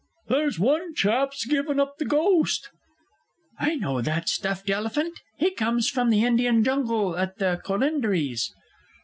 There's one chap's given up the ghost!... I know that stuffed elephant he comes from the Indian Jungle at the Colinderies!...